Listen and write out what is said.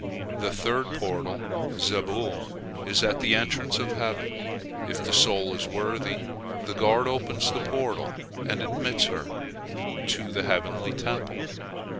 The third portal, Zebul, is at the entrance of heaven. If the soul is worthy, the guard opens the portal and admits her 'to the heavenly Temple.